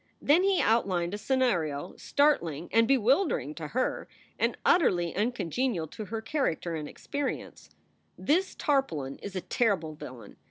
Then he outlined a scenario startling and bewildering to her, and utterly uncongenial to her character and experience: "This tarpaulin is a terrible villain.